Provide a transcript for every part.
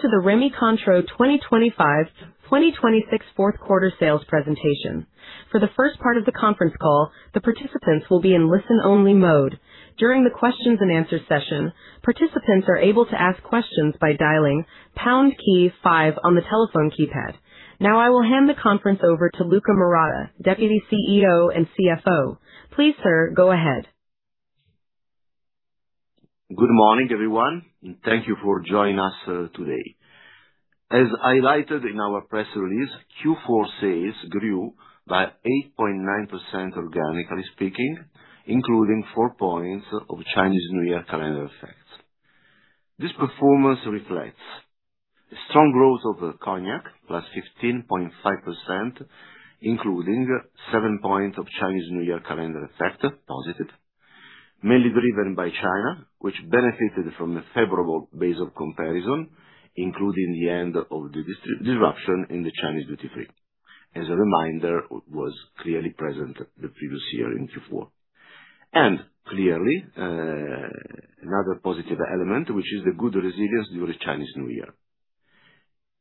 Welcome to the Rémy Martin Cointreau 2025 to 2026 Q4 sales presentation. Now I will hand the conference over to Luca Marotta, Deputy CEO and CFO. Please, sir, go ahead. Good morning, everyone, and thank you for joining us today. As highlighted in our press release, Q4 sales grew by 8.9% organically speaking, including 4 points of Chinese New Year calendar effects. This performance reflects strong growth of the cognac +15.5%, including 7 points of Chinese New Year calendar effect positive, mainly driven by China, which benefited from the favorable base of comparison, including the end of the disruption in the Chinese duty-free. As a reminder, it was clearly present the previous year in Q4. Clearly, another positive element, which is the good resilience during Chinese New Year.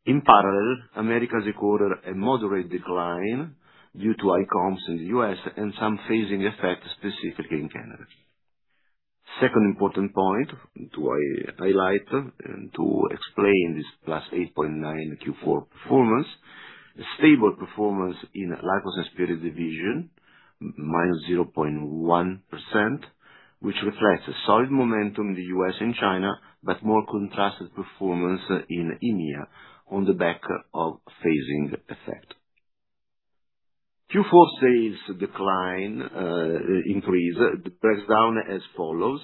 In parallel, Americas recorded a moderate decline due to ICOMs in the U.S. and some phasing effects specifically in Canada. Second important point to highlight and to explain this +8.9% Q4 performance, stable performance in Liqueurs & Spirits division, -0.1%, which reflects a solid momentum in the U.S. and China, but more contrasted performance in EMEA on the back of phasing effect. Q4 sales decline increase breaks down as follows: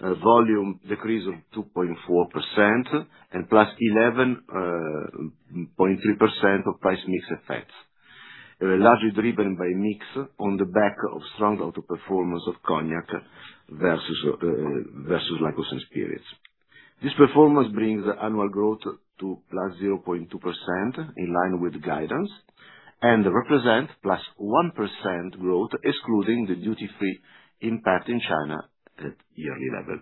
a volume decrease of 2.4% and +11.3% of price mix effects, largely driven by mix on the back of strong auto performance of cognac versus Liqueurs & Spirits. This performance brings annual growth to +0.2% in line with guidance and represent +1% growth excluding the duty-free impact in China at yearly level.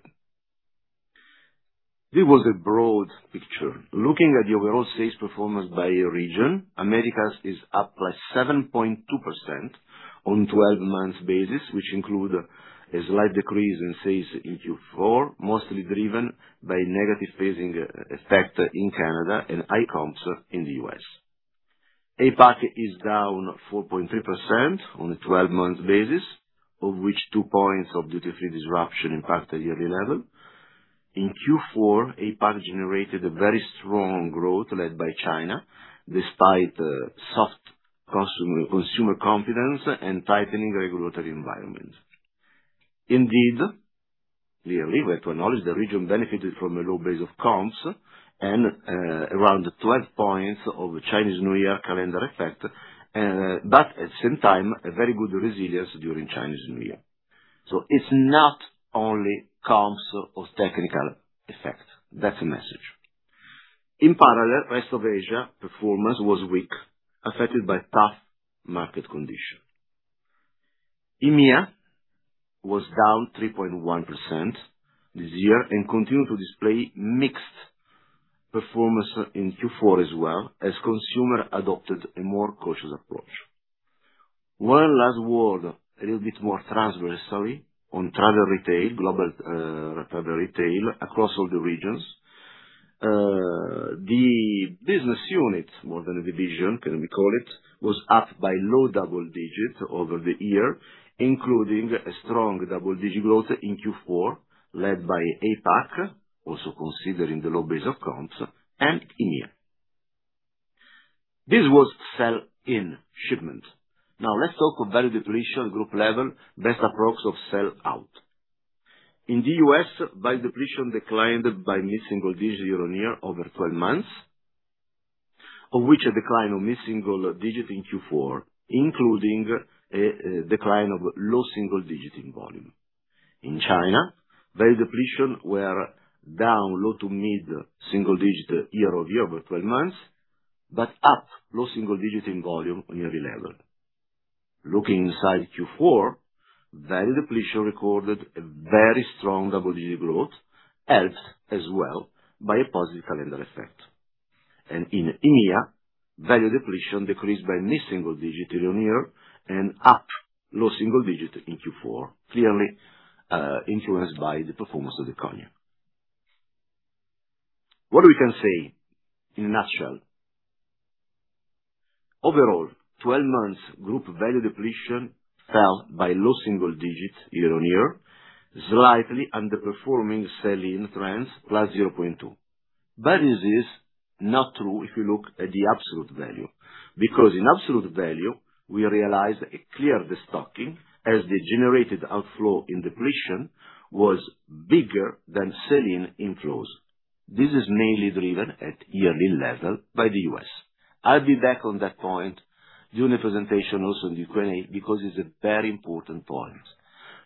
This was a broad picture. Looking at the overall sales performance by region, Americas is up +7.2% on 12-month basis, which include a slight decrease in sales in Q4, mostly driven by negative phasing effect in Canada and ICOMs in the U.S. APAC is down 4.3% on a 12-month basis, of which 2 points of duty-free disruption impact a yearly level. In Q4, APAC generated a very strong growth led by China, despite soft consumer confidence and tightening regulatory environment. Clearly, we have to acknowledge the region benefited from a low base of comps and around 12 points of Chinese New Year calendar effect, but at the same time, a very good resilience during Chinese New Year. It's not only comps of technical effect. That's the message. In parallel, rest of Asia performance was weak, affected by tough market condition. EMEA was down 3.1% this year and continued to display mixed performance in Q4 as well as consumer adopted a more cautious approach. One last word, a little bit more transversally on travel retail, global, travel retail across all the regions. The business unit, more than a division, can we call it, was up by low double digits over the year, including a strong double-digit growth in Q4, led by APAC, also considering the low base of comps and EMEA. This was sell-in shipment. Now let's talk about value depletion group level, best approx of sell out. In the U.S., value depletion declined by mid-single digit year-on-year over 12 months, of which a decline of mid-single digit in Q4, including a decline of low single digit in volume. In China, value depletion were down low to mid single-digit year-over-year over 12 months, but up low single-digit in volume on yearly level. Looking inside Q4, value depletion recorded a very strong double-digit growth, helped as well by a positive calendar effect. In EMEA, value depletion decreased by mid single-digit year-on-year and up low single-digit in Q4, clearly influenced by the performance of the cognac. What we can say in a nutshell. Overall, 12 months group value depletion fell by low single-digits year-on-year, slightly underperforming sell-in trends +0.2. Is this not true if you look at the absolute value? Because in absolute value, we realized a clear destocking as the generated outflow in depletion was bigger than sell-in inflows. This is mainly driven at yearly level by the U.S. I'll be back on that point during the presentation also in the Q&A, because it's a very important point.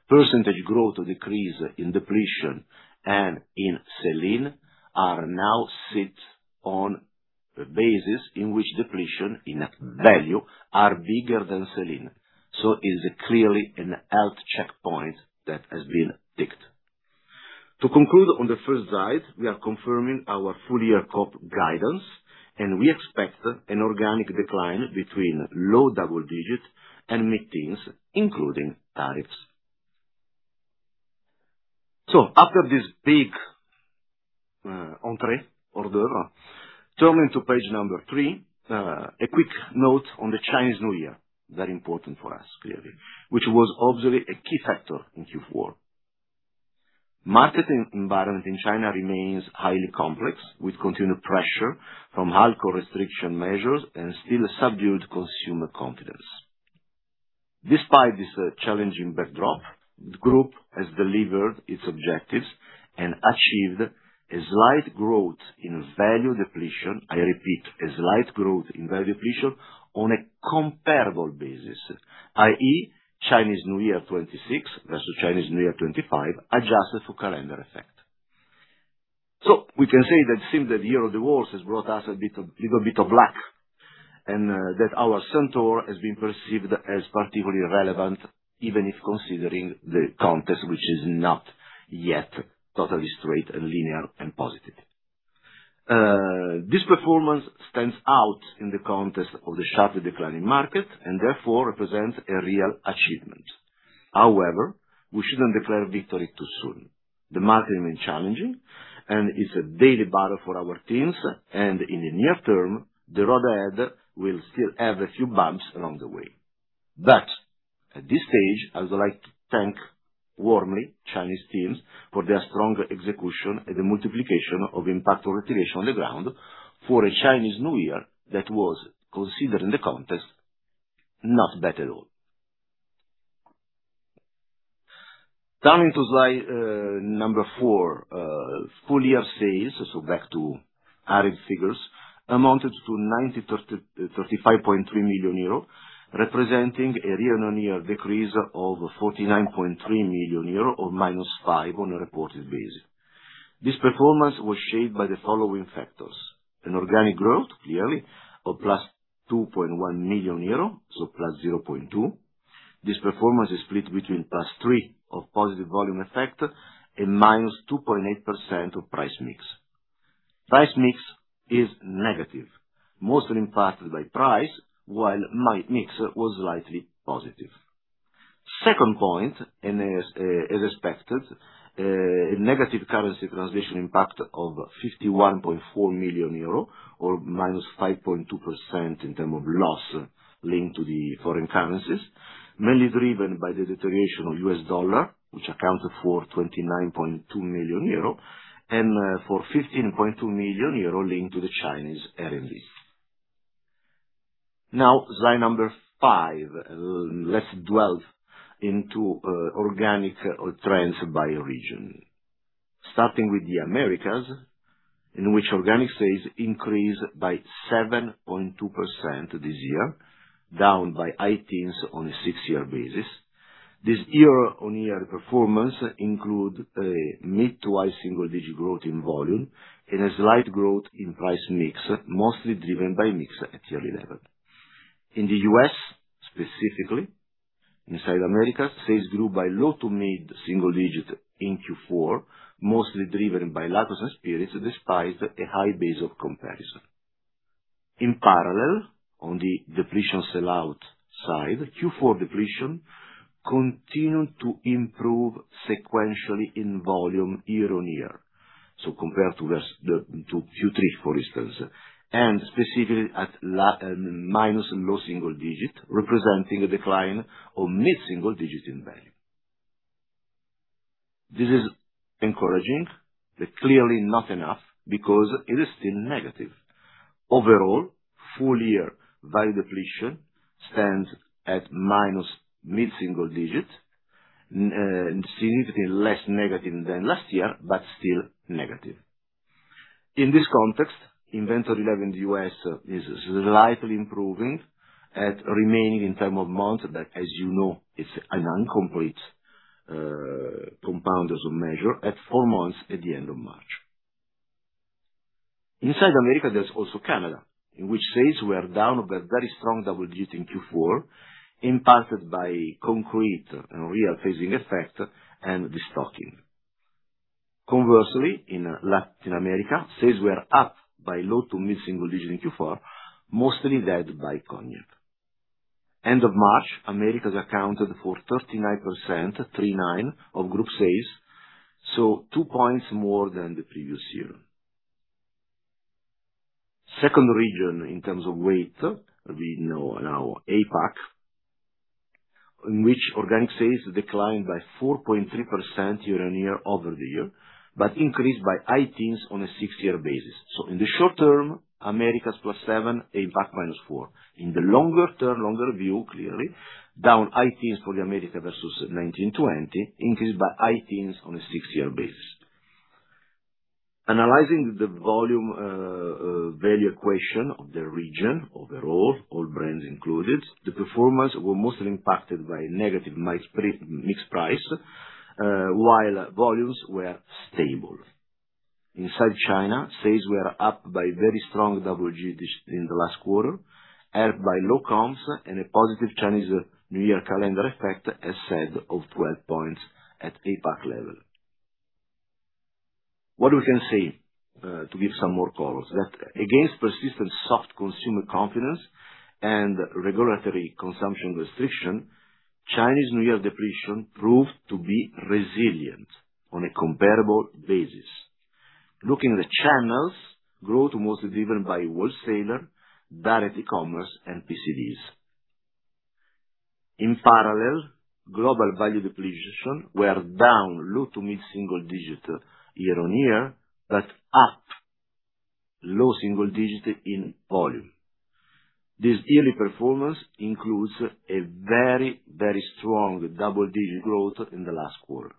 Percentage growth or decrease in depletion and in sell-in are now sit on par. The basis in which depletion in value are bigger than sell-in, is clearly an health checkpoint that has been ticked. To conclude on the first slide, we are confirming our full-year top guidance. We expect an organic decline between low double-digit and mid-teens, including tariffs. After this big entree, hors d'oeuvres, turning to page 3, a quick note on the Chinese New Year, very important for us, clearly, which was obviously a key factor in Q4. Market environment in China remains highly complex, with continued pressure from alcohol restriction measures and still subdued consumer confidence. Despite this challenging backdrop, the group has delivered its objectives and achieved a slight growth in value depletion. I repeat, a slight growth in value depletion on a comparable basis, i.e., Chinese New Year 2026 versus Chinese New Year 2025, adjusted for calendar effect. It seems that Year of the Horse has brought us a bit of, little bit of luck, and that our Centaur has been perceived as particularly relevant, even if considering the context which is not yet totally straight and linear and positive. This performance stands out in the context of the sharply declining market and therefore represents a real achievement. However, we shouldn't declare victory too soon. The market remains challenging and it's a daily battle for our teams and in the near term, the road ahead will still have a few bumps along the way. At this stage, I would like to thank warmly Chinese teams for their strong execution and the multiplication of impact orientation on the ground for a Chinese New Year that was, considering the context, not bad at all. Turning to slide number 4, full year sales, so back to added figures, amounted to 935.3 million euro, representing a year-on-year decrease of 49.3 million euro or -5% on a reported basis. This performance was shaped by the following factors: an organic growth, clearly, of 2.1 million euro, so +0.2%. This performance is split between +3% of positive volume effect and -2.8% of price mix. Price mix is negative, mostly impacted by price, while mix was slightly positive. Second point, as expected, a negative currency translation impact of 51.4 million euro or -5.2% in term of loss linked to the foreign currencies, mainly driven by the deterioration of US dollar, which accounted for 29.2 million euro and for 15.2 million euro linked to the Chinese RMB. Slide number five. Let's delve into organic trends by region. Starting with the Americas, in which organic sales increased by 7.2% this year, down by high teens on a 6-year basis. This year-over-year performance include a mid to high single digit growth in volume and a slight growth in price mix, mostly driven by mix at yearly level. In the U.S., specifically inside America, sales grew by low to mid single-digit in Q4, mostly driven by Liqueurs & Spirits despite a high base of comparison. In parallel, on the depletion sell-out side, Q4 depletion continued to improve sequentially in volume year-on-year. Compared to the, to Q3, for instance, and specifically at la, minus low single-digit, representing a decline of mid single-digit in value. This is encouraging, clearly not enough because it is still negative. Overall, full year value depletion stands at minus mid single-digit, significantly less negative than last year, still negative. In this context, inventory level in the U.S. is slightly improving at remaining in terms of months, as you know, it's an incomplete compounds of measure at 4 months at the end of March. Inside Americas, there is also Canada, in which sales were down but very strong double-digit in Q4, impacted by concrete and real phasing effect and destocking. Conversely, in Latin America, sales were up by low-to-mid single-digit in Q4, mostly led by cognac. End of March, Americas accounted for 39%, three nine, of group sales, so two points more than the previous year. Second region in terms of weight, we know now APAC, in which organic sales declined by 4.3% year-over-year over the year, but increased by high teens on a six-year basis. In the short term, Americas +7%, APAC -4%. In the longer term, longer view, clearly, -high teens for the Americas versus 2019, 2020, +high teens on a 6-year basis. Analyzing the volume value equation of the region overall, all brands included, the performance were mostly impacted by negative mix price, while volumes were stable. Inside China, sales were up by very strong double digit in the last quarter, helped by low comps and a positive Chinese New Year calendar effect, as said, of 12 points at APAC level. What we can say, to give some more colors, that against persistent soft consumer confidence and regulatory consumption restriction, Chinese New Year depletion proved to be resilient on a comparable basis. Looking at the channels, growth mostly driven by wholesaler, valued e-commerce and PCDs. In parallel, global value depletion were down low to mid-single digit year-on-year, but up low single digit in volume. This yearly performance includes a very, very strong double-digit growth in the last quarter.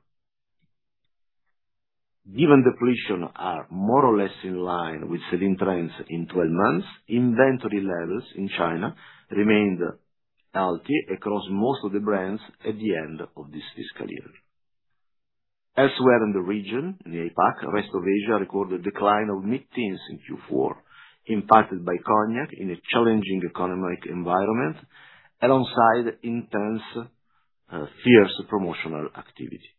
Given depletion are more or less in line with selling trends in 12 months, inventory levels in China remained healthy across most of the brands at the end of this fiscal year. Elsewhere in the region, in the APAC, rest of Asia recorded a decline of mid-teens in Q4, impacted by cognac in a challenging economic environment alongside intense, fierce promotional activity.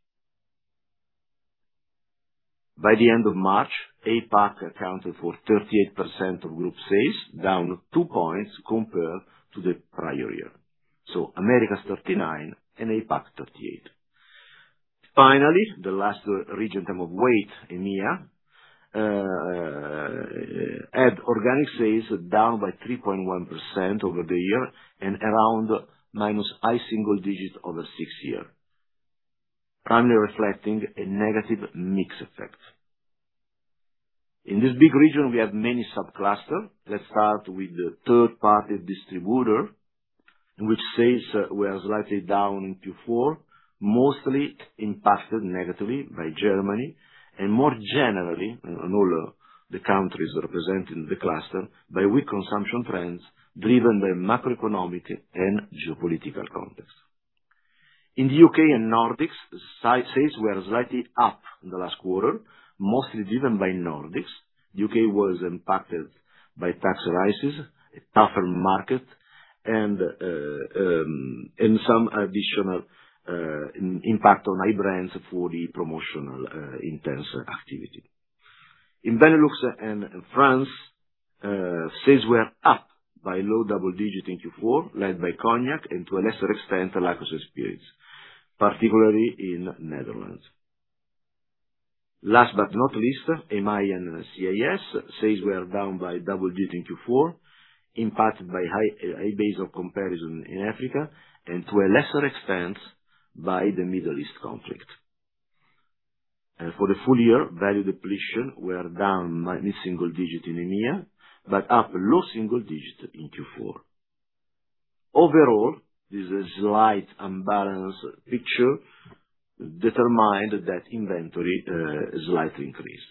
By the end of March, APAC accounted for 38% of group sales, down 2 points compared to the prior year. Americas 39 and APAC 38. Finally, the last region term of weight in EMEA had organic sales down by 3.1% over the year and around minus high single-digit over 6 year, primarily reflecting a negative mix effect. In this big region, we have many sub-cluster. Let's start with the 3rd-party distributor, which sales were slightly down in Q4, mostly impacted negatively by Germany and more generally on all the countries representing the cluster by weak consumption trends driven by macroeconomic and geopolitical context. In the U.K. and Nordics, sales were slightly up in the last quarter, mostly driven by Nordics. U.K. was impacted by tax rises, a tougher market, and some additional impact on high brands for the promotional intense activity. In Benelux and France, sales were up by low double-digit in Q4, led by cognac and to a lesser extent, Liqueurs & Spirits, particularly in Netherlands. Last but not least, AMI and CIS, sales were down by double-digit in Q4, impacted by high base of comparison in Africa and to a lesser extent, by the Middle East conflict. For the full year, value depletion were down mid-single digit in EMEA, but up low single digit in Q4. Overall, this slight unbalanced picture determined that inventory slightly increased.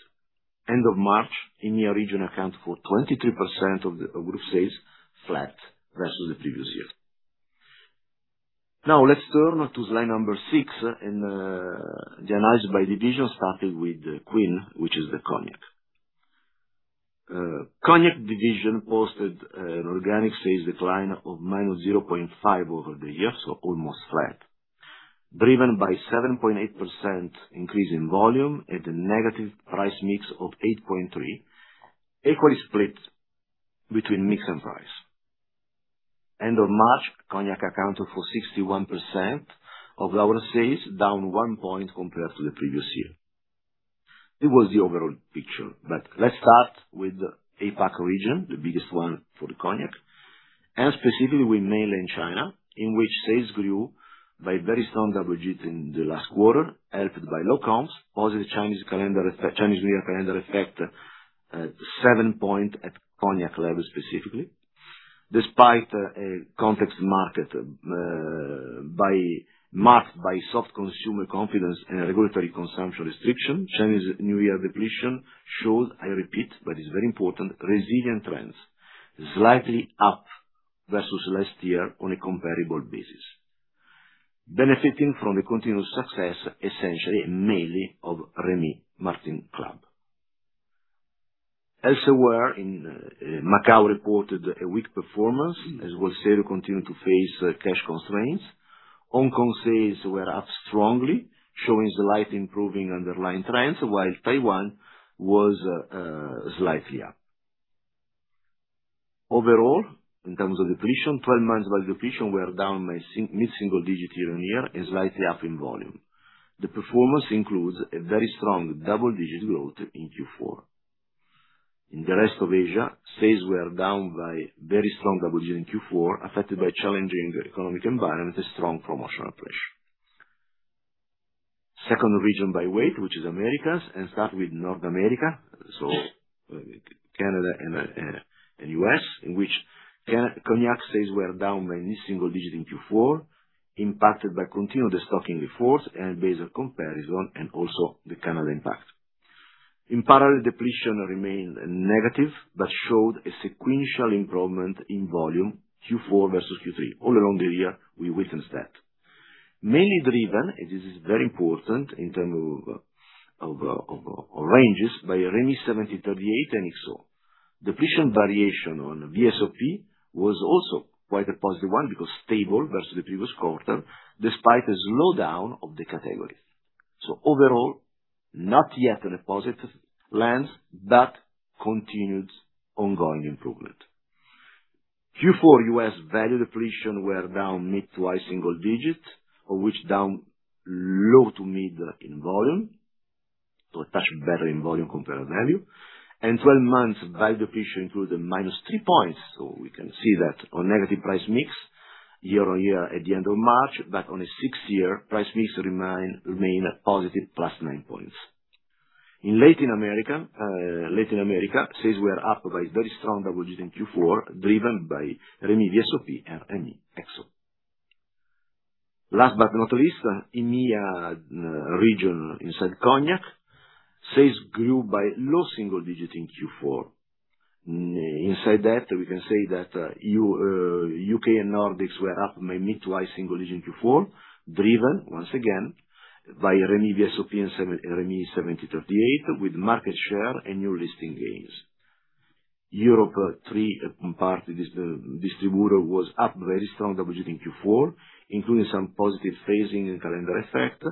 End of March, EMEA region account for 23% of the group sales, flat versus the previous year. Let's turn to slide number 6 and the analysis by division, starting with the queen, which is the Cognac. Cognac division posted an organic sales decline of -0.5% over the year, so almost flat. Driven by 7.8% increase in volume at a negative price mix of 8.3%, equally split between mix and price. End of March, Cognac accounted for 61% of our sales, down 1 point compared to the previous year. It was the overall picture. Let's start with the APAC region, the biggest one for the cognac, and specifically with Mainland China, in which sales grew by very strong double digit in the last quarter, helped by low comps, positive Chinese New Year calendar effect, 7 points at cognac level specifically. Despite a context market marked by soft consumer confidence and regulatory consumption restriction, Chinese New Year depletion showed, I repeat, but it's very important, resilient trends slightly up versus last year on a comparable basis. Benefiting from the continuous success, essentially, mainly of Rémy Martin CLUB. Elsewhere in, Macau reported a weak performance as wholesaler continued to face cash constraints. Hong Kong sales were up strongly, showing slight improving underlying trends, while Taiwan was slightly up. Overall, in terms of depletion, 12 months value depletion were down by mid-single digit year-on-year and slightly up in volume. The performance includes a very strong double-digit growth in Q4. In the rest of Asia, sales were down by very strong double digit in Q4, affected by challenging economic environment and strong promotional pressure. Second region by weight, which is Americas, and start with North America, Canada and U.S., in which cognac sales were down by mid-single digit in Q4, impacted by continued destocking efforts and base of comparison and also the Canada impact. In parallel, depletion remained negative, but showed a sequential improvement in volume, Q4 versus Q3. All along the year, we witnessed that. Mainly driven, and this is very important in terms of ranges, by Rémy 1738 and XO. Depletion variation on VSOP was also quite a positive one because stable versus the previous quarter despite the slowdown of the category. Overall, not yet in a positive lens, but continued ongoing improvement. Q4 U.S. value depletion were down mid to high single digit, of which down low to mid in volume. A touch better in volume compared to value. 12 months value depletion improved -3 points, so we can see that on negative price mix year-over-year at the end of March, but on a 6 year, price mix remain positive +9 points. In Latin America, Latin America, sales were up by very strong double digit in Q4, driven by Rémy VSOP and Rémy XO. Last but not least, EMEA region inside cognac, sales grew by low single digit in Q4. Inside that, we can say that U.K. and Nordics were up by mid- to high-single digit in Q4, driven once again by Rémy VSOP and Rémy 1738 with market share and new listing gains. Europe third-party distributor was up very strong double-digit in Q4, including some positive phasing and calendar effect.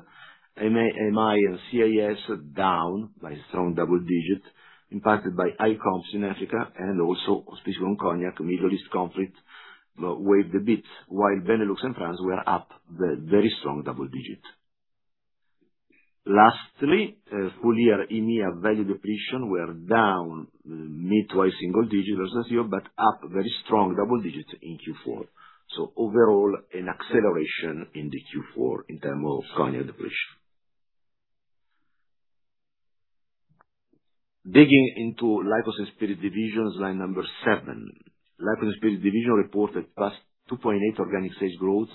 AMI and CIS down by strong double-digit, impacted by high comps in Africa and also auspicious cognac, Middle East conflict weighed a bit, while Benelux and France were up very strong double-digit. Lastly, full-year EMEA value depletion were down mid- to high-single digit versus last year, but up very strong double-digits in Q4. Overall, an acceleration in the Q4 in term of cognac depletion. Digging into Liqueurs & Spirits divisions, line 7. Liqueurs & Spirits division reported +2.8% organic sales growth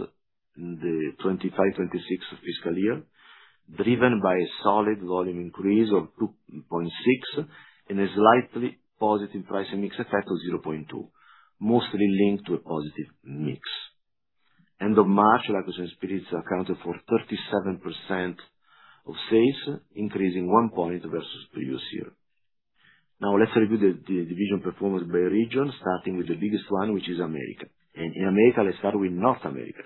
in the FY 2025-2026 fiscal year, driven by a solid volume increase of 2.6% and a slightly positive pricing mix effect of 0.2%, mostly linked to a positive mix. End of March, Liqueurs & Spirits accounted for 37% of sales, increasing 1 point versus previous year. Let's review the division performance by region, starting with the biggest one, which is America. In America, let's start with North America,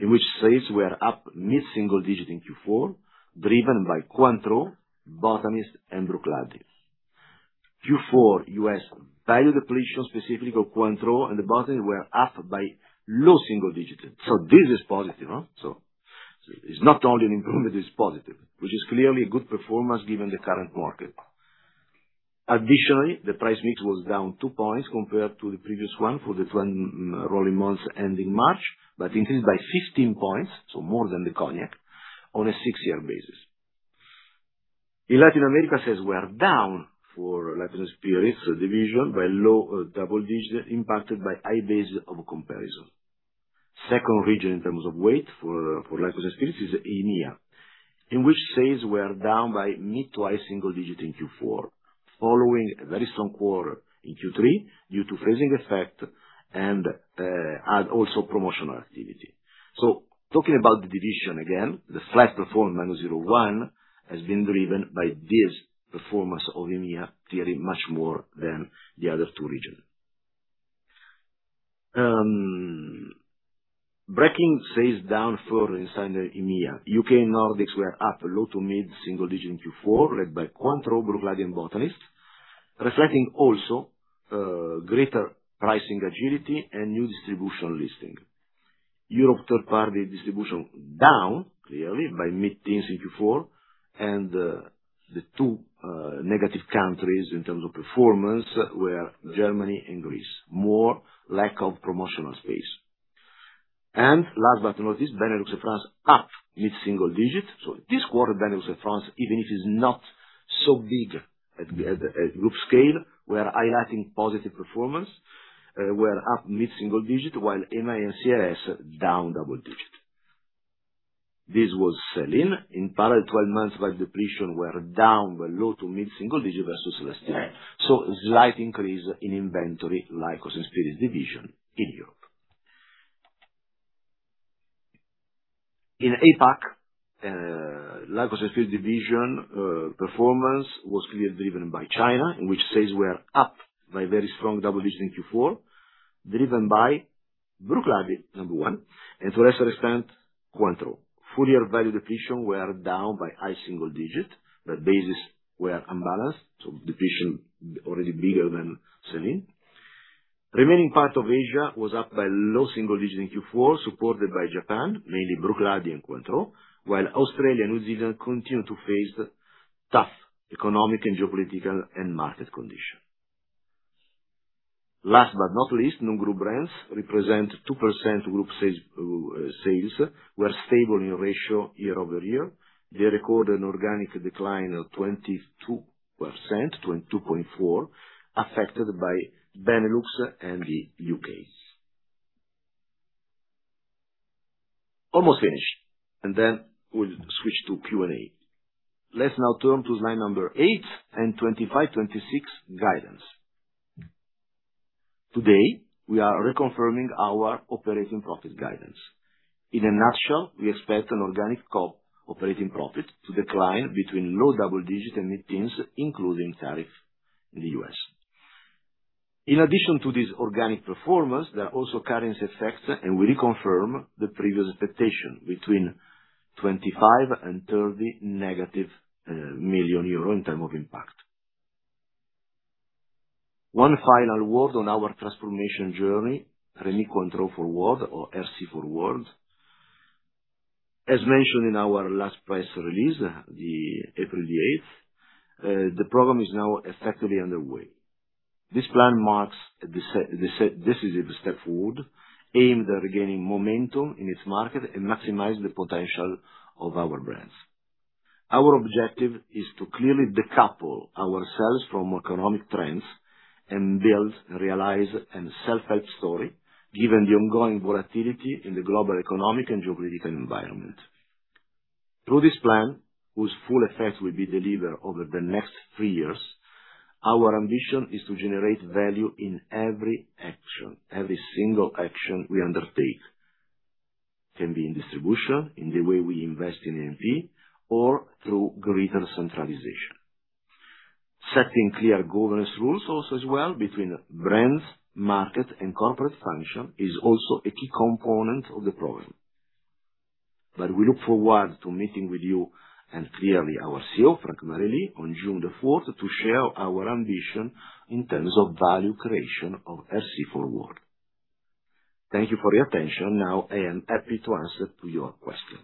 in which sales were up mid-single digit in Q4, driven by Cointreau, The Botanist and Bruichladdich. Q4 U.S. value depletion specifically for Cointreau and The Botanist were up by low single digits. This is positive. It's not only an improvement, it's positive, which is clearly a good performance given the current market. Additionally, the price mix was down 2 points compared to the previous one for the 12 rolling months ending March, increased by 15 points, so more than the cognac, on a 6-year basis. In Latin America, sales were down for Liqueurs & Spirits division by low double digits, impacted by high base of comparison. Second region in terms of weight for Liqueurs & Spirits is EMEA, in which sales were down by mid to high single digit in Q4, following a very strong quarter in Q3 due to phasing effect and also promotional activity. Talking about the division again, the flat performance -0.1 has been driven by this performance of EMEA clearly much more than the other 2 regions. Breaking sales down further inside the EMEA. U.K. and Nordics were up low to mid-single-digit in Q4, led by Cointreau, Bruichladdich and The Botanist, reflecting also greater pricing agility and new distribution listing. Europe third-party distribution down clearly by mid-teens in Q4. The two negative countries in terms of performance were Germany and Greece. More a lack of promotional space. Last but not least, Benelux and France up mid-single-digit. This quarter, Benelux and France, even if it is not so big at group scale, we are highlighting positive performance. We're up mid-single-digit while AMI and CIS down double-digit. This was sell-in. In parallel, 12 months value depletion were down by low to mid-single-digit versus last year. Slight increase in inventory Liqueurs & Spirits division in Europe. In APAC, Liqueurs & Spirits division performance was clearly driven by China, in which sales were up by very strong double digits in Q4, driven by Bruichladdich, number 1, and to a lesser extent, Cointreau. Full year value depletion were down by high single digit. The bases were unbalanced, so depletion already bigger than sell-in. Remaining part of Asia was up by low single digit in Q4, supported by Japan, mainly Bruichladdich and Cointreau, while Australia and New Zealand continue to face tough economic and geopolitical and market condition. Last but not least, non-group brands represent 2% group sales were stable in ratio year-over-year. They recorded an organic decline of 22%, 22.4%, affected by Benelux and the U.K. Almost finished. We'll switch to Q&A. Let's now turn to slide number 8 and 2025, 2026 guidance. Today, we are reconfirming our operating profit guidance. In a nutshell, we expect an organic operating profit to decline between low double-digit % and mid-teens %, including tariff in the U.S. In addition to this organic performance, there are also currency effects, and we reconfirm the previous expectation between negative EUR 25 million and negative EUR 30 million in term of impact. One final word on our transformation journey, Rémy Cointreau Forward or RC Forward. As mentioned in our last press release, the April 8th, the program is now effectively underway. This plan marks the decisive step forward, aimed at gaining momentum in its market and maximize the potential of our brands. Our objective is to clearly decouple ourselves from economic trends and build, realize, and self-help story given the ongoing volatility in the global economic and geopolitical environment. Through this plan, whose full effect will be delivered over the next 3 years, our ambition is to generate value in every action, every single action we undertake. Can be in distribution, in the way we invest in A&P or through greater centralization. Setting clear governance rules also as well between brands, market, and corporate function is also a key component of the program. We look forward to meeting with you and clearly our CEO, Franck Marilly, on June the fourth to share our ambition in terms of value creation of RC Forward. Thank you for your attention. I am happy to answer to your question.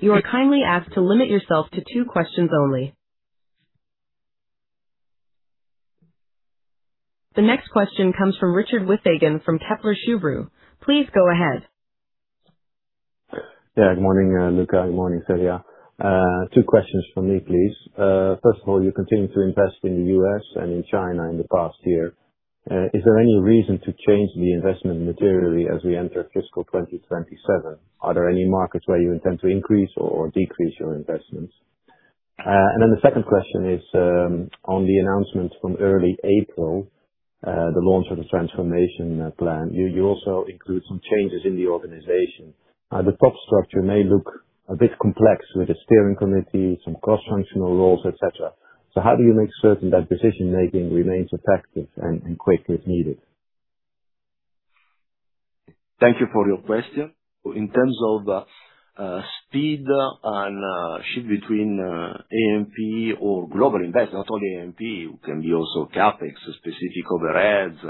You are kindly asked to limit yourself to two questions only. The next question comes from Richard Withagen from Kepler Cheuvreux. Please go ahead. Good morning, Luca Marotta. Good morning, Célia d'Everlange. 2 questions from me, please. First of all, you continue to invest in the U.S. and in China in the past year. Is there any reason to change the investment materially as we enter FY 2027? Are there any markets where you intend to increase or decrease your investments? The second question is on the announcement from early April, the launch of the transformation plan. You also include some changes in the organization. The top structure may look a bit complex with the steering committee, some cross-functional roles, et cetera. How do you make certain that decision-making remains effective and quick if needed? Thank you for your question. In terms of speed and shift between A&P or global investment, not only A&P, it can be also CapEx, specific overheads,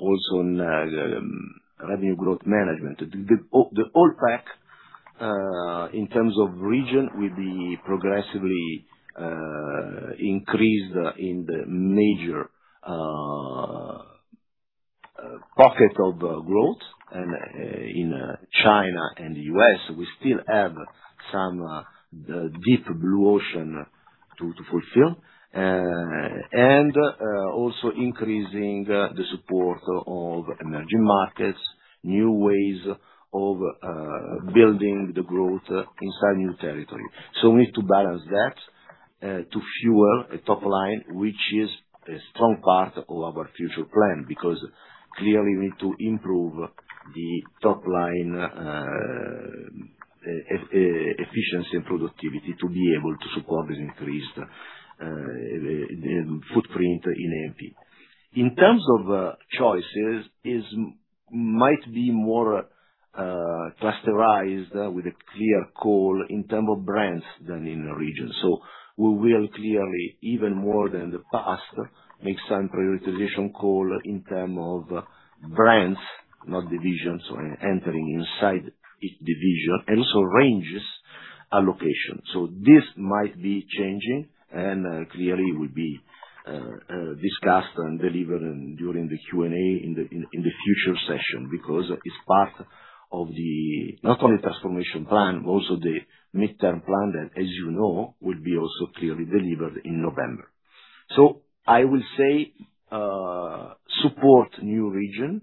also in the revenue growth management. The whole pack in terms of region will be progressively increased in the major pocket of growth and in China and the U.S., we still have some deep blue ocean to fulfill and also increasing the support of emerging markets, new ways of building the growth inside new territory. We need to balance that to fuel a top line, which is a strong part of our future plan, because clearly we need to improve the top line efficiency and productivity to be able to support this increased footprint in A&P. In terms of choices is might be more clusterized with a clear call in terms of brands than in the region. We will clearly, even more than the past, make some prioritization call in terms of brands, not divisions or entering inside each division, and also ranges allocation. This might be changing and clearly will be discussed and delivered during the Q&A in the future session because it's part of the, not only transformation plan, but also the midterm plan that, as you know, will be also clearly delivered in November. I will say, support new region,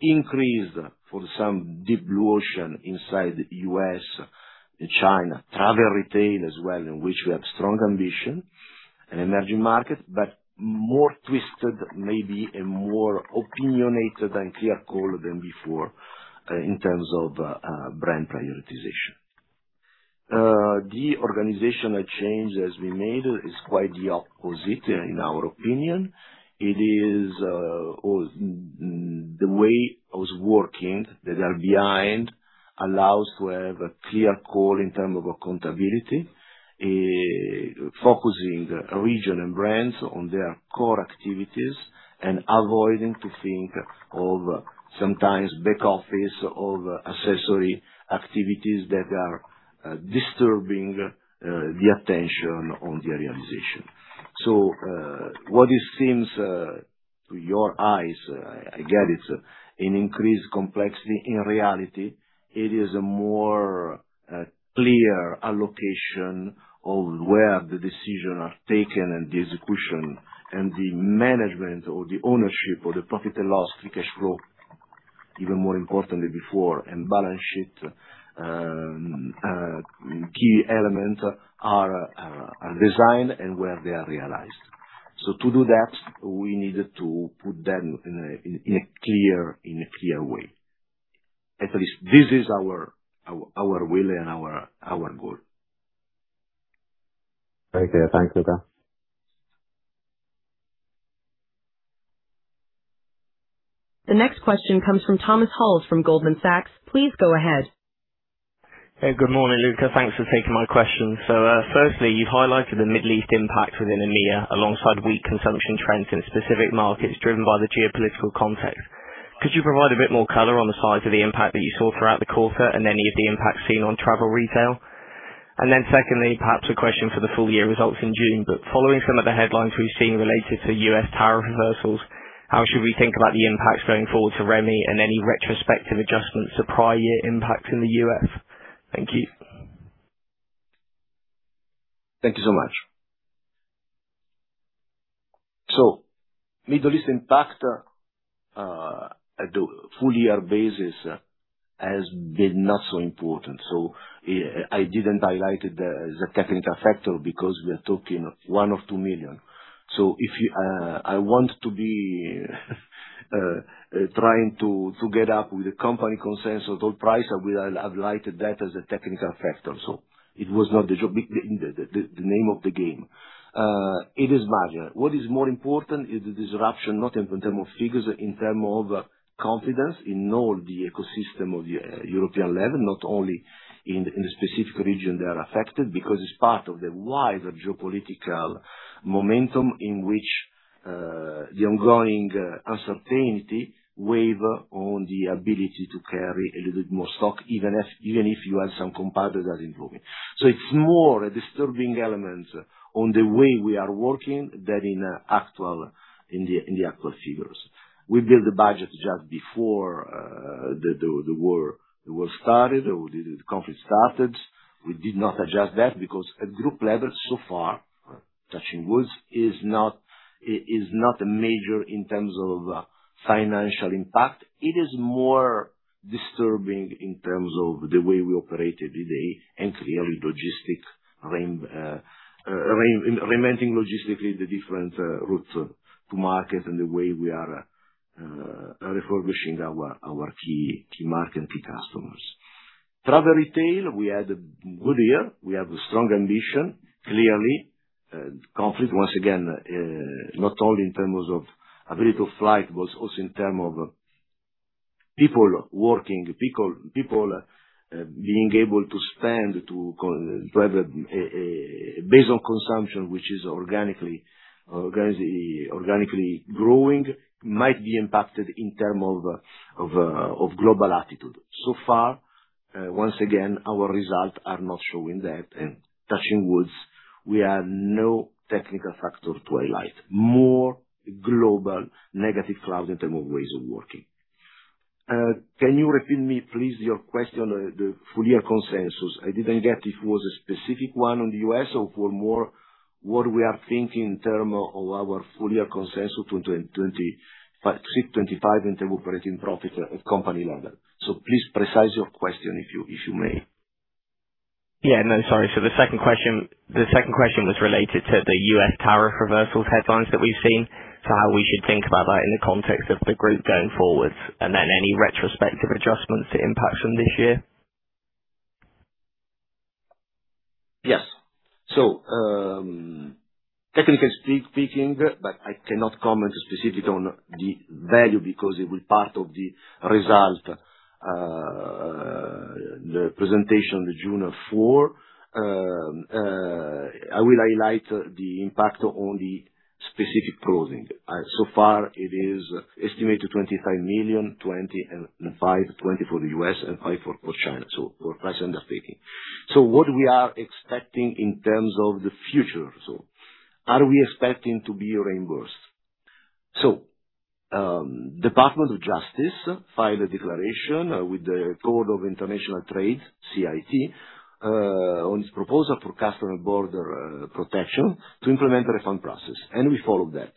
increase for some deep blue ocean inside U.S. and China, travel retail as well, in which we have strong ambition and emerging market, but more twisted, maybe a more opinionated and clear call than before, in terms of brand prioritization. The organizational change as we made is quite the opposite in our opinion. It is, or the way I was working that are behind allows to have a clear call in terms of accountability, focusing region and brands on their core activities and avoiding to think of sometimes back office of accessory activities that are disturbing the attention on the realization. What it seems to your eyes, I get it, an increased complexity. In reality, it is a more clear allocation of where the decisions are taken and the execution and the management or the ownership or the profit and loss, free cash flow, even more importantly before, and balance sheet, key element are designed and where they are realized. To do that, we needed to put them in a clear way. At least this is our will and our goal. Okay. Thanks, Luca. The next question comes from Thomas Halls from Goldman Sachs. Please go ahead. Hey. Good morning, Luca. Thanks for taking my question. Firstly, you've highlighted the Middle East impact within EMEA alongside weak consumption trends in specific markets driven by the geopolitical context. Could you provide a bit more color on the size of the impact that you saw throughout the quarter and any of the impacts seen on travel retail? Secondly, perhaps a question for the full year results in June, but following some of the headlines we've seen related to U.S. tariff reversals, how should we think about the impacts going forward to Rémy and any retrospective adjustments to prior year impacts in the U.S.? Thank you. Thank you so much. Middle East impact, at the full year basis has been not so important. I didn't highlight it as a technical factor because we are talking 1 million or 2 million. If you, I want to be trying to get up with the company consensus on total price, I will have highlighted that as a technical factor. It was not the name of the game. It is major. What is more important is the disruption, not in term of figures, in term of confidence in all the ecosystem of the European level, not only in the specific region that are affected because it's part of the wider geopolitical momentum in which the ongoing uncertainty weigh on the ability to carry a little bit more stock, even if you have some competitor that is growing. It's more a disturbing element on the way we are working than in the actual figures. We built the budget just before the war started or the conflict started. We did not adjust that because at group level so far, touching woods, is not a major in terms of financial impact. It is more disturbing in terms of the way we operate day to day and clearly logistic remitting logistically the different routes to market and the way we are refurbishing our key market and key customers. Travel retail, we had a good year. We have a strong ambition. Clearly, conflict once again, not only in terms of ability to fly, but also in terms of people working, people being able to spend to travel, based on consumption, which is organically growing, might be impacted in terms of global attitude. So far, once again, our results are not showing that and touching woods, we have no technical factor to highlight. More global negative cloud in terms of ways of working. Can you repeat me please your question, the full year consensus? I didn't get if it was a specific one on the U.S. or for more what we are thinking in terms of our full year consensus 2025, EUR 325 in terms of operating profit at company level. Please precise your question if you, if you may. Yeah. No, sorry. The second question was related to the U.S. tariff reversals headlines that we've seen. How we should think about that in the context of the group going forward, and then any retrospective adjustments to impacts from this year. Yes. Technically speaking, I cannot comment specific on the value because it was part of the result, the presentation on the June fourth. I will highlight the impact on the specific closing. So far it is estimated 25 million, 20 for the U.S. and 5 for China. We're less than EUR 50. What we are expecting in terms of the future? Are we expecting to be reimbursed? Department of Justice filed a declaration with the Court of International Trade, CIT, on its proposal for customs and border protection to implement a refund process, and we followed that.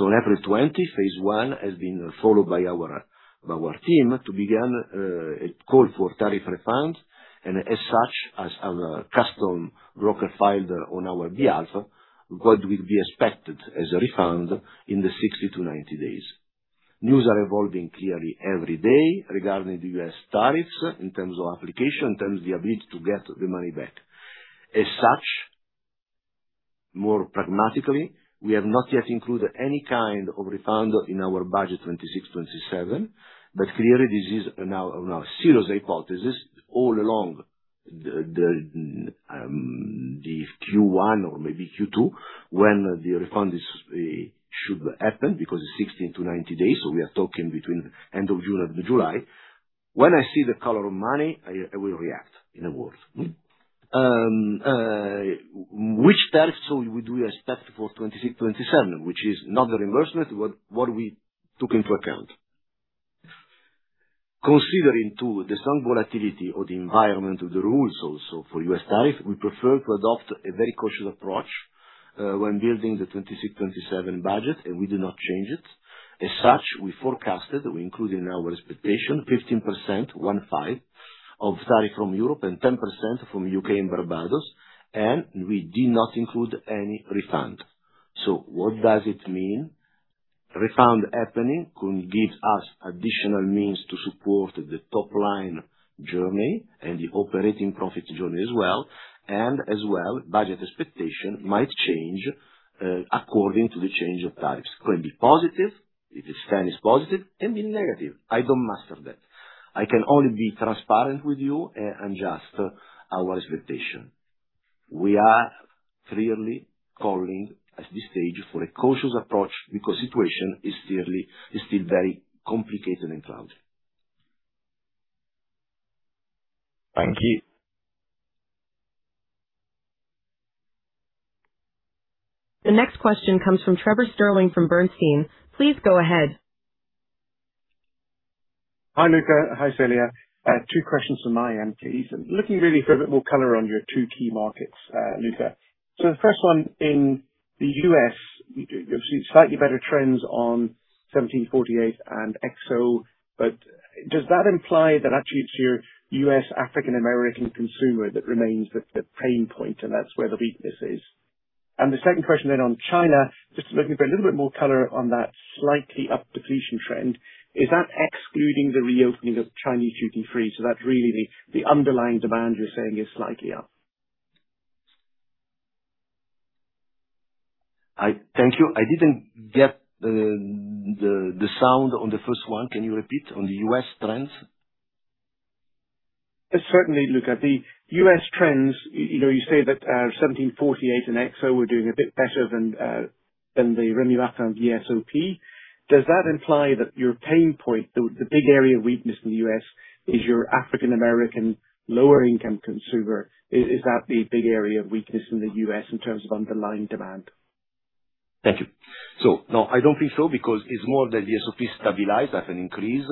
On April 20, phase I has been followed by our team to begin a call for tariff refunds and as such as our custom broker filed on our behalf what will be expected as a refund in the 60-90 days. News are evolving clearly every day regarding the U.S. tariffs in terms of application, in terms of the ability to get the money back. As such, more pragmatically, we have not yet included any kind of refund in our budget 2026, 2027, but clearly this is now serious hypothesis all along the Q1 or maybe Q2 when the refund is should happen because it is 60-90 days, so we are talking between end of June and the July. When I see the color of money, I will react, in a word. Which tariff shall we do as tariff for 2026, 2027, which is not a reimbursement, but what we took into account. Considering, too, the strong volatility of the environment of the rules also for U.S. tariff, we prefer to adopt a very cautious approach when building the 2026/2027 budget, and we do not change it. As such, we forecasted, we include in our expectation 15% of tariff from Europe and 10% from U.K. and Barbados, and we did not include any refund. What does it mean? Refund happening could give us additional means to support the top line journey and the operating profit journey as well, and as well, budget expectation might change according to the change of tariffs. Could be positive if the trend is positive, and be negative. I don't master that. I can only be transparent with you and just our expectation. We are clearly calling, at this stage, for a cautious approach because situation is still very complicated and cloudy. Thank you. The next question comes from Trevor Stirling from Bernstein. Please go ahead. Hi, Luca. Hi, Célia d'Everlange. 2 questions from my end, please. Looking really for a bit more color on your 2 key markets, Luca. The first one, in the U.S., you've seen slightly better trends on 1738 and XO, but does that imply that actually it's your U.S. African American consumer that remains the pain point, and that's where the weakness is? The second question on China, just looking for a little bit more color on that slightly up depletion trend. Is that excluding the reopening of Chinese duty-free? That's really the underlying demand you're saying is slightly up? I thank you. I didn't get the sound on the first one. Can you repeat on the U.S. trends? Certainly, Luca. The U.S. trends, you know, you say that 1738 and XO were doing a bit better than Rémy Martin VSOP. Does that imply that your pain point, the big area of weakness in the U.S., is your African American lower income consumer? Is that the big area of weakness in the U.S. in terms of underlying demand? Thank you. No, I don't think so because it's more that VSOP stabilized as an increase,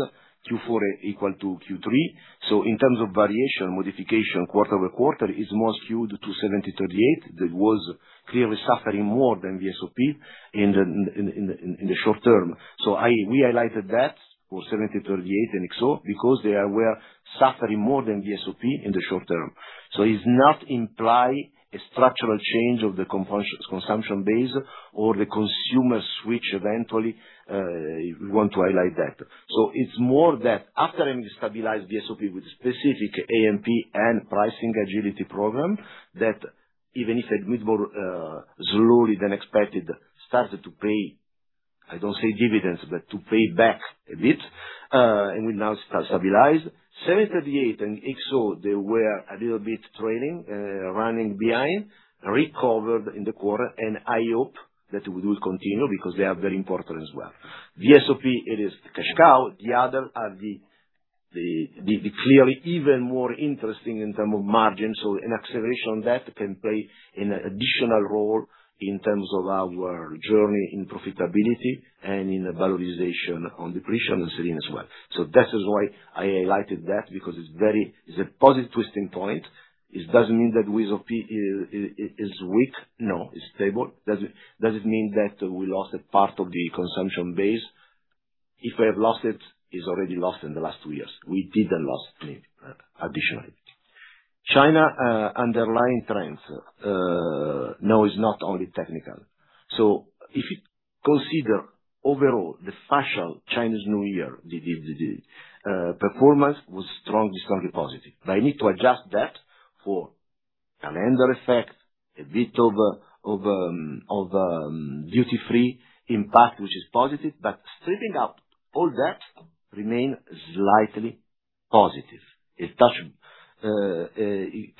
Q4 equal to Q3. In terms of variation, modification quarter over quarter is more skewed to 1738. That was clearly suffering more than VSOP in the short term. I highlighted that for 1738 and XO because they were suffering more than VSOP in the short term. It's not imply a structural change of the consumption base or the consumer switch eventually. We want to highlight that. It's more that after having stabilized VSOP with specific A&P and pricing agility program, that even if a bit more slowly than expected, started to pay, I don't say dividends, but to pay back a bit, and will now stabilize. 1738 and XO, they were a little bit trailing, running behind, recovered in the quarter, and I hope that will continue because they are very important as well. VSOP, it is the cash cow. The other are the clearly even more interesting in term of margin. An acceleration on that can play an additional role in terms of our journey in profitability and in the valorization on depletion on the scene as well. That is why I highlighted that because it's very. It's a positive twisting point. It doesn't mean that VSOP is weak. No, it's stable. Does it mean that we lost a part of the consumption base? If we have lost it's already lost in the last 2 years. We didn't lost it, additionally. China, underlying trends, now is not only technical. If you consider overall the factual Chinese New Year, the performance was strongly positive. I need to adjust that for calendar effect, a bit of duty-free impact, which is positive. Stripping out all that remain slightly positive. It touch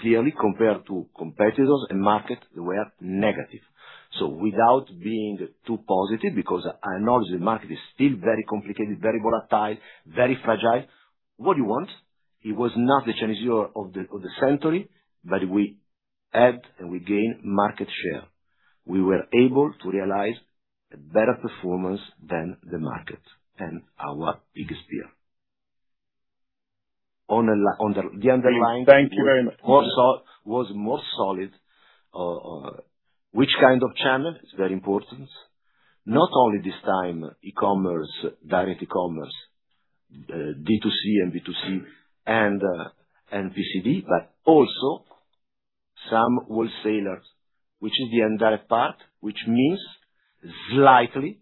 clearly compared to competitors and market, they were negative. Without being too positive, because I acknowledge the market is still very complicated, very volatile, very fragile. What do you want? It was not the Chinese New Year of the century, but we add and we gain market share. We were able to realize a better performance than the market and our biggest peer. Thank you very much. Was more solid. Which kind of channel is very important. Not only this time e-commerce, direct e-commerce, D2C and B2C and PCD, but also some wholesalers, which is the indirect part, which means slightly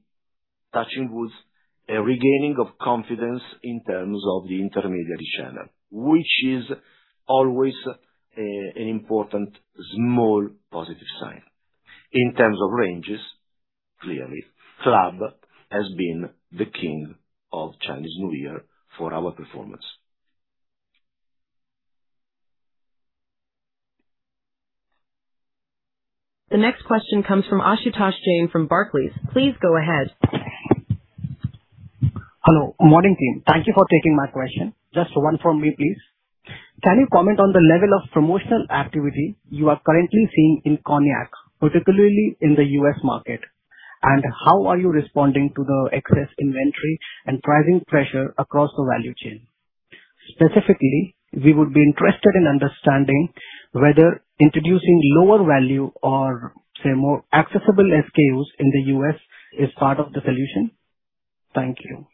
touching with a regaining of confidence in terms of the intermediary channel, which is always an important small positive sign. In terms of ranges, clearly, CLUB has been the king of Chinese New Year for our performance. The next question comes from Ashutosh Jain from Barclays. Please go ahead. Hello. Morning, team. Thank you for taking my question. Just one from me, please. Can you comment on the level of promotional activity you are currently seeing in cognac, particularly in the U.S. market? How are you responding to the excess inventory and pricing pressure across the value chain? Specifically, we would be interested in understanding whether introducing lower value or, say, more accessible SKUs in the U.S. is part of the solution. Thank you.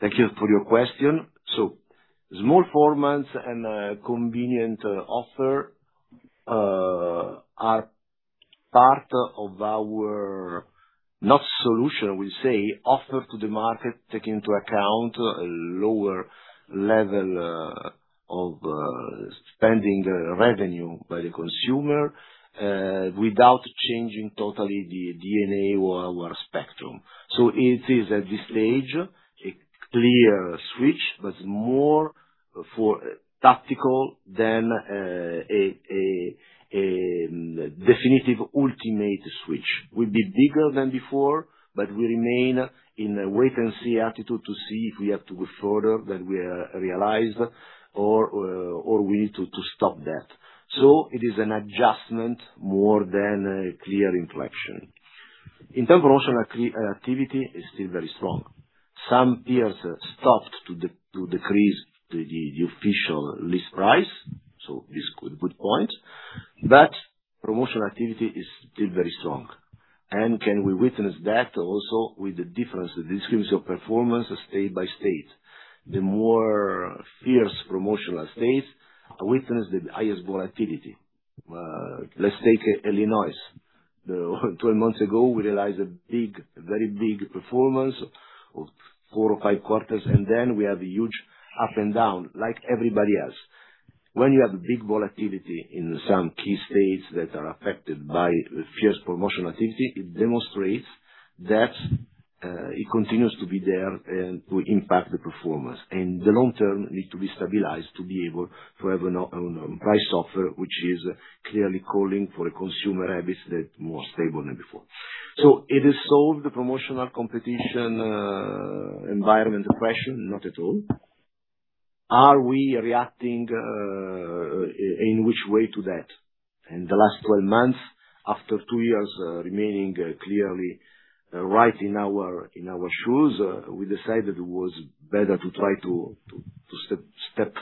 Thank you for your question. Small formats and convenient offer are part of our not solution, we say offer to the market, take into account a lower level of spending the revenue by the consumer without changing totally the DNA or our spectrum. It is, at this stage, a clear switch, but more for tactical than a definitive ultimate switch. We'll be bigger than before, but we remain in a wait-and-see attitude to see if we have to go further than we are realized or we need to stop that. It is an adjustment more than a clear inflection. In terms of promotional activity, it's still very strong. Some peers stopped to decrease the official list price, this is good point. Promotional activity is still very strong. Can we witness that also with the difference of performance state by state. The more fierce promotional states witness the highest volatility. Let's take Illinois. 12 months ago, we realized a big, very big performance of 4 or 5 quarters, and then we have a huge up and down like everybody else. When you have a big volatility in some key states that are affected by fierce promotional activity, it demonstrates that it continues to be there and to impact the performance. In the long term need to be stabilized to be able to have on a price offer, which is clearly calling for a consumer habits that more stable than before. It is solved the promotional competition environment question, not at all. Are we reacting in which way to that? In the last 12 months, after 2 years, remaining clearly right in our, in our shoes, we decided it was better to try to step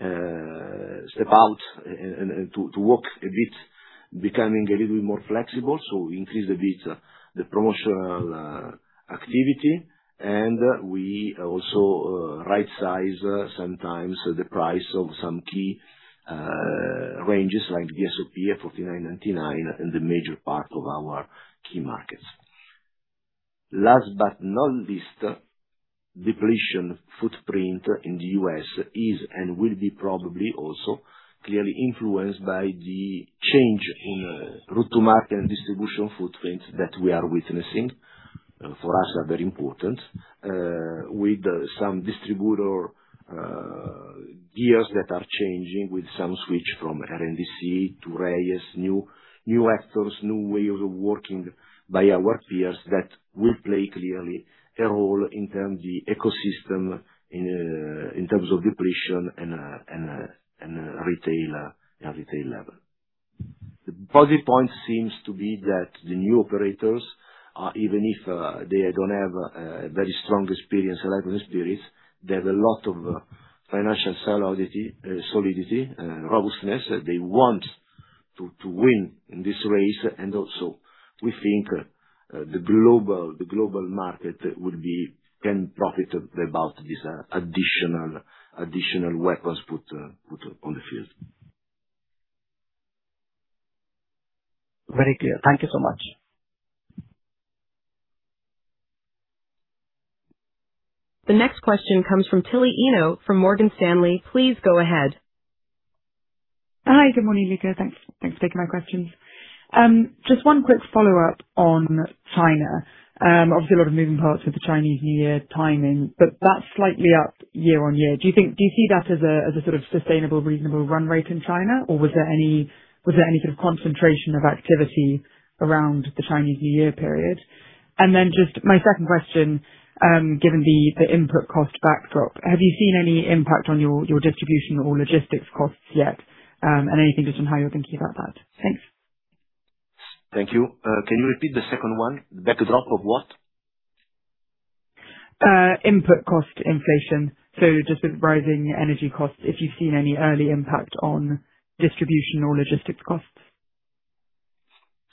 out and to walk a bit, becoming a little bit more flexible. We increase a bit the promotional activity, and we also right size sometimes the price of some key ranges like VSOP at 49.99 in the major part of our key markets. Last but not least, depletion footprint in the U.S. is and will be probably also clearly influenced by the change in route to market and distribution footprint that we are witnessing, for us are very important, with some distributor deals that are changing, with some switch from RNDC to Reyes, new actors, new ways of working by our peers that will play clearly a role in terms the ecosystem in terms of depletion and retail level. The positive point seems to be that the new operators are, even if they don't have a very strong experience like us spirits, they have a lot of financial solidity and robustness. They want to win in this race. Also we think the global market will be. can profit about this, additional weapons put on the field. Very clear. Thank you so much. The next question comes from Tilly Eno from Morgan Stanley. Please go ahead. Hi, good morning, Luca. Thanks. Thanks for taking my questions. Just one quick follow-up on China. Obviously a lot of moving parts with the Chinese New Year timing, that's slightly up year on year. Do you see that as a, as a sort of sustainable, reasonable run rate in China? Was there any, was there any sort of concentration of activity around the Chinese New Year period? Just my second question, given the input cost backdrop, have you seen any impact on your distribution or logistics costs yet? Anything just on how you're thinking about that? Thanks. Thank you. Can you repeat the second one? The backdrop of what? Input cost inflation. Just the rising energy costs, if you've seen any early impact on distribution or logistics costs?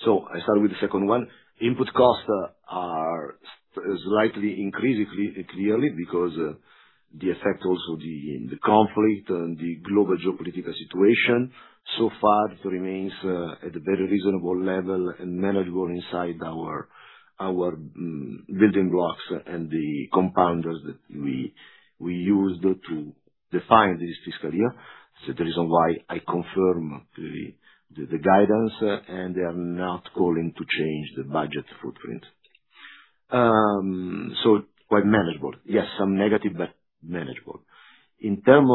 I start with the second one. Input costs are slightly increasingly clearly because the effect also the conflict and the global geopolitical situation. So far it remains at a very reasonable level and manageable inside our building blocks and the compounders that we used to define this fiscal year. The reason why I confirm the guidance and I am not calling to change the budget footprint. Quite manageable. Yes, some negative, but manageable. In terms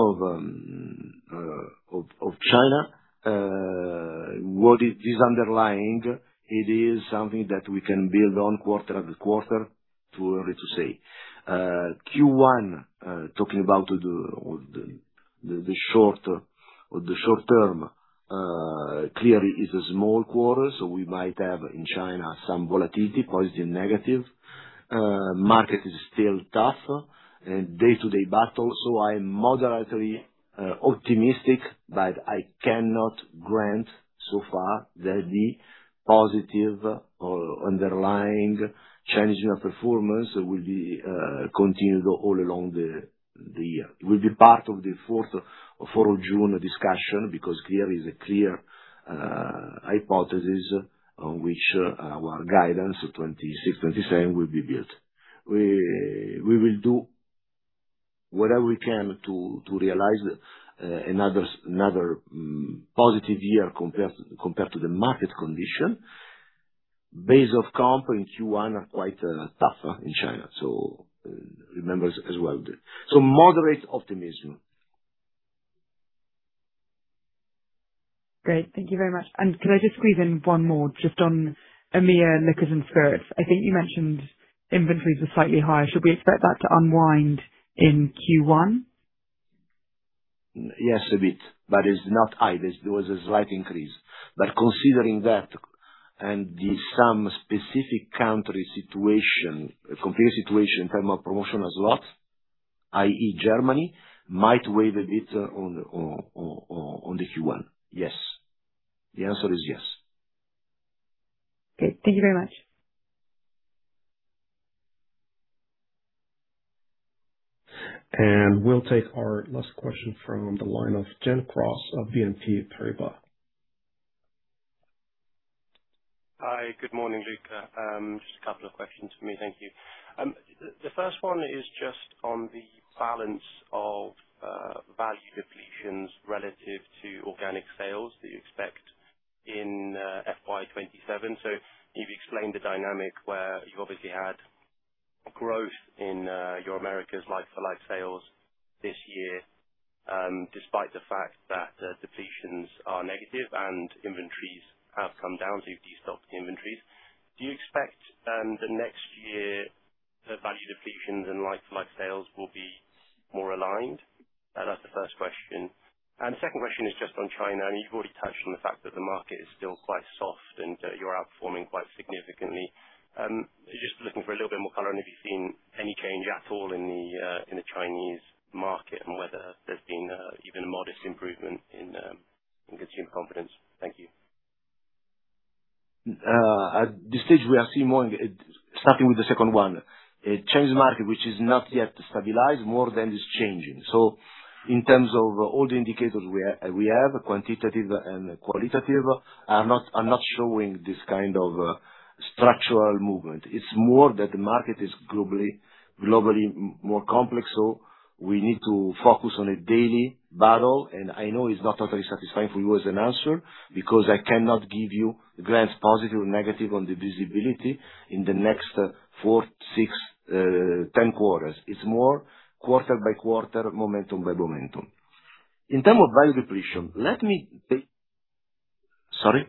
of China, what is underlying, it is something that we can build on quarter-over-quarter. Too early to say. Q1, talking about the short or the short term, clearly is a small quarter, so we might have in China some volatility, positive, negative. Market is still tough and day-to-day battle, so I'm moderately optimistic, but I cannot grant so far that the positive or underlying change in our performance will be continued all along the. Will be part of the four of June discussion because there is a clear hypothesis on which our guidance of 2026, 2027 will be built. We will do whatever we can to realize another positive year compared to the market condition. Base of comp in Q1 are quite tougher in China. Remember as well. Moderate optimism. Great. Thank you very much. Could I just squeeze in one more just on EMEA Liqueurs and Spirits? I think you mentioned inventories are slightly higher. Should we expect that to unwind in Q1? Yes, a bit, but it's not high. There was a slight increase. Considering that and the some specific country situation, complete situation in terms of promotional as lot, i.e. Germany, might weigh a bit on the Q1. Yes. The answer is yes. Okay. Thank you very much. We'll take our last question from the line of Gen Cross of BNP Paribas Exane. Hi. Good morning, Luca. Just a couple of questions for me. Thank you. The first one is just on the balance of value depletions relative to organic sales that you expect in FY 2027. You've explained the dynamic where you've obviously had growth in your Americas life for life sales this year, despite the fact that depletions are negative and inventories have come down, so you've de-stocked the inventories. Do you expect, the next year, the value depletions and like-for-like sales will be more aligned? That's the first question. The second question is just on China. I mean, you've already touched on the fact that the market is still quite soft, you're outperforming quite significantly. Just looking for a little bit more color on have you seen any change at all in the Chinese market and whether there's been even a modest improvement in consumer confidence? Thank you. At this stage, we are seeing more. Starting with the second one. Chinese market which is not yet stabilized more than it's changing. In terms of all the indicators we have, quantitative and qualitative, are not showing this kind of structural movement. It's more that the market is globally more complex, so we need to focus on a daily battle. I know it's not totally satisfying for you as an answer, because I cannot give you grants positive or negative on the visibility in the next four, six, 10 quarters. It's more quarter by quarter, momentum by momentum. In terms of value depletion, let me take. Sorry?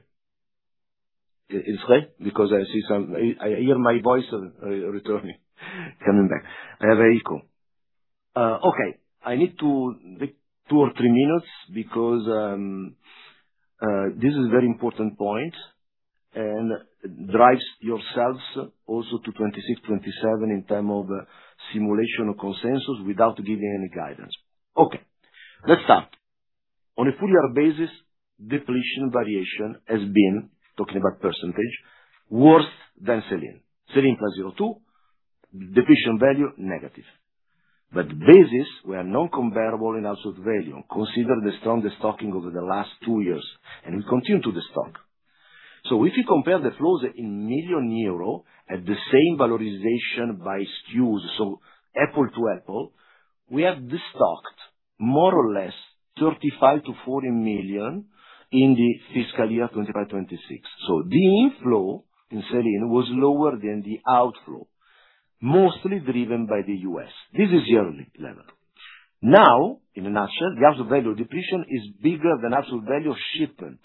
It's okay? Because I see some. I hear my voice, returning, coming back. I have an echo. Okay. I need to take 2 or 3 minutes because this is very important point and drives yourselves also to 2026, 2027 in term of simulation or consensus without giving any guidance. Okay, let's start. On a full year basis, depletion variation has been, talking about percentage, worse than sell-in. sell-in +0.2, depletion value negative. Basis were non-comparable in absolute value, consider the strongest stocking over the last 2 years, and we continue to destock. If you compare the flows in million euro at the same valorization by SKUs, apple to apple, we have destocked more or less 35 million-40 million in the fiscal year 2025-2026. The inflow in sell-in was lower than the outflow, mostly driven by the U.S. This is yearly level. Now, in a nutshell, the absolute value depletion is bigger than absolute value shipment.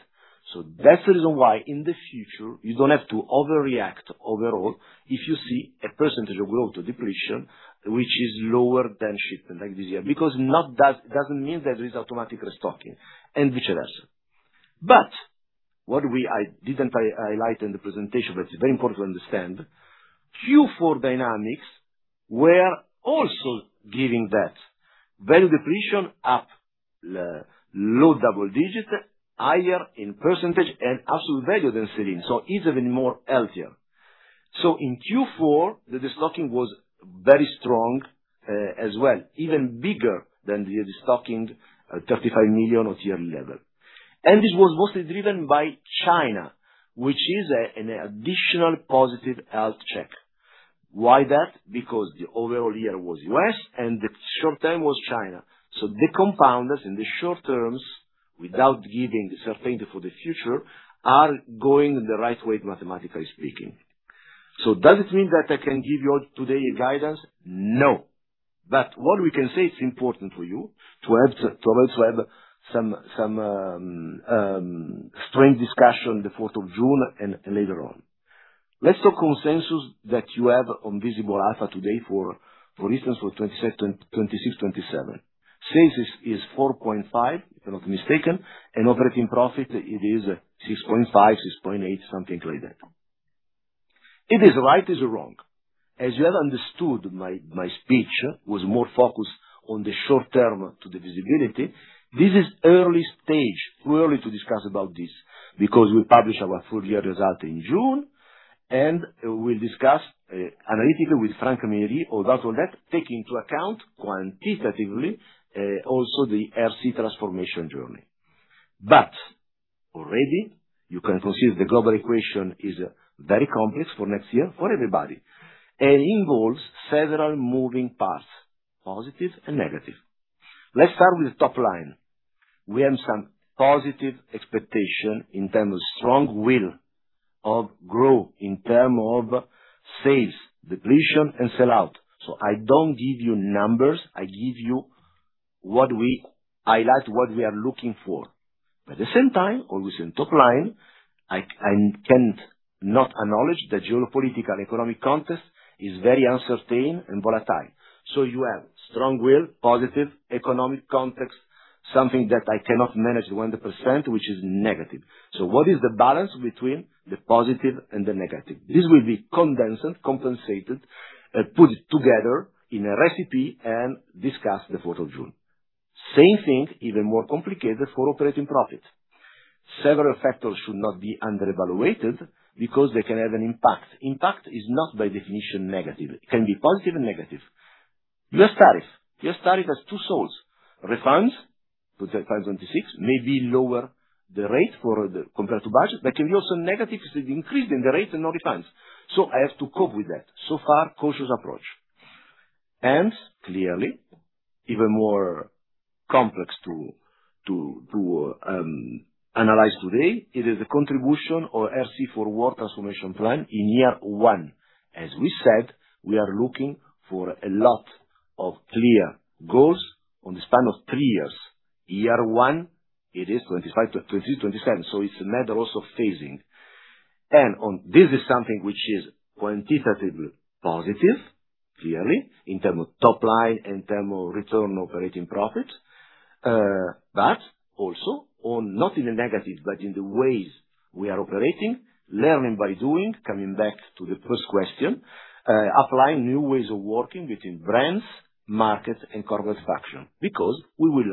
That's the reason why, in the future, you don't have to overreact overall if you see a percentage of growth to depletion which is lower than shipment like this year, because not that doesn't mean that there is automatic restocking and vice versa. What I didn't highlight in the presentation, but it's very important to understand, Q4 dynamics were also giving that value depletion up low double digits, higher in percentage and absolute value than sell-in, so even more healthier. In Q4, the destocking was very strong as well, even bigger than the destocking 35 million or tier level. This was mostly driven by China, which is an additional positive health check. Why that? Because the overall year was U.S., and the short term was China. The compounders in the short terms. Without giving certainty for the future, are going the right way, mathematically speaking. Does it mean that I can give you today a guidance? No. What we can say, it's important for you to also have some string discussion the fourth of June and later on. Let's talk consensus that you have on Visible Alpha today for instance, for 2027, 2026, 2027. Sales is 4.5%, if I'm not mistaken, and operating profit it is 6.5%-6.8%, something like that. It is right, is wrong. As you have understood, my speech was more focused on the short term to the visibility. This is early stage. Too early to discuss about this because we publish our full year result in June, and we'll discuss analytically with Franco Mirri all that take into account quantitatively also the RC transformation journey. Already you can consider the global equation is very complex for next year for everybody, and involves several moving parts, positive and negative. Let's start with the top line. We have some positive expectation in terms of strong will of growth, in terms of sales, depletion and sellout. I don't give you numbers, I give you what we highlight, what we are looking for. At the same time, always in top line, I can't not acknowledge the geopolitical economic context is very uncertain and volatile. You have strong will, positive economic context, something that I cannot manage 100%, which is negative. What is the balance between the positive and the negative? This will be condensed, compensated, put together in a recipe and discussed the 4th of June. Same thing, even more complicated for operating profit. Several factors should not be underevaluated because they can have an impact. Impact is not by definition negative. It can be positive and negative. U.S. tariff. U.S. tariff has two souls. Refunds, 25, 26, may be lower the rate for the compared to budget, but can be also negative because they increase in the rate and no refunds. I have to cope with that. Far, cautious approach. Clearly even more complex to analyze today it is a contribution or RC Forward transformation plan in year 1. As we said, we are looking for a lot of clear goals on the span of 3 years. Year 1 it is 25 to 27. It's a matter also of phasing. On this is something which is quantitatively positive, clearly in terms of top line, in terms of return operating profit, but also on not in a negative, but in the ways we are operating, learning by doing, coming back to the first question, applying new ways of working between brands, markets and commercial function. Because we will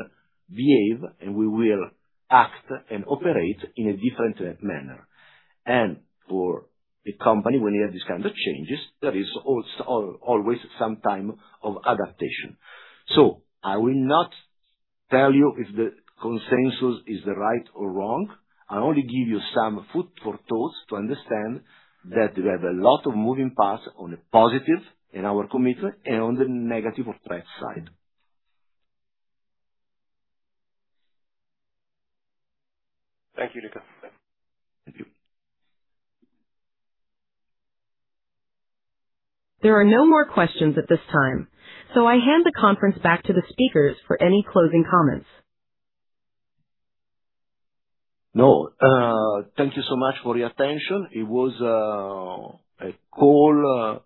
behave and we will act and operate in a different manner. For the company, when you have these kind of changes, there is always some time of adaptation. I will not tell you if the consensus is the right or wrong. I only give you some food for thoughts to understand that we have a lot of moving parts on the positive in our commitment and on the negative of price side. Thank you, Luca. Thank you. There are no more questions at this time, so I hand the conference back to the speakers for any closing comments. Thank you so much for your attention. It was a call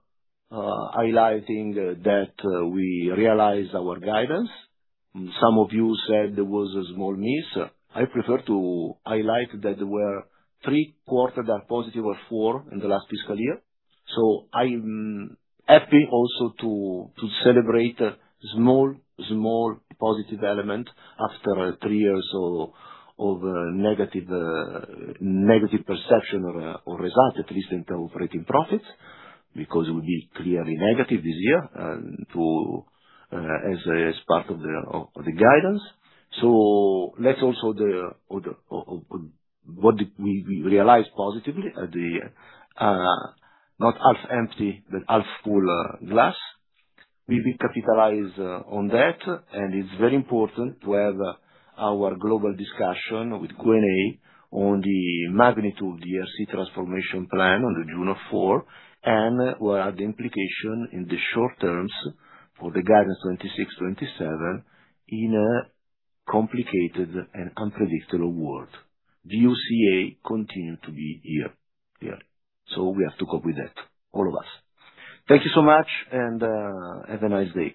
highlighting that we realized our guidance. Some of you said there was a small miss. I prefer to highlight that there were three quarter that positive or four in the last fiscal year. I'm happy also to celebrate a small positive element after 3 years of negative negative perception or result, at least in terms of operating profits, because it will be clearly negative this year, as part of the guidance. Let's also what did we realize positively the not half empty but half full glass. We will capitalize on that, and it's very important to have our global discussion with Q&A on the magnitude of the RC transformation plan on June 4th, and what are the implication in the short terms for the guidance 2026, 2027 in a complicated and unpredictable world. The VUCA continue to be here. Clearly. We have to cope with that, all of us. Thank you so much. Have a nice day.